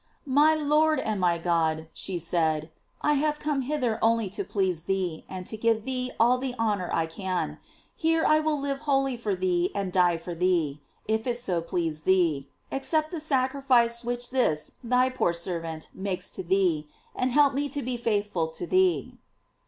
My Lord and my God, she said, I have come hither only to please thee, and to give thee all the hon or I can; here Lwill live wholly for thee and die for thee, if it so please thee; accept the sacrifice which this thy poor servant makes to thee, and help me to be faithful to thee.